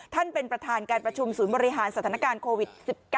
ท่านประธานเป็นประธานการประชุมศูนย์บริหารสถานการณ์โควิด๑๙